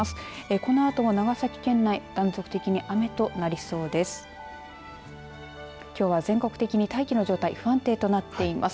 このあと長崎県内、断続的に雨となりそうです。